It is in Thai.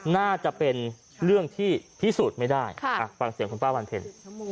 น่าจะเป็นเรื่องที่พิสูจน์ไม่ได้ฟังเสียงคุณป้าวันเพ็ญ